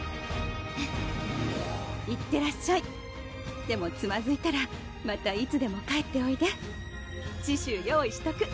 うんいってらっしゃいでもつまずいたらまたいつでも帰っておいでチシュー用意しとく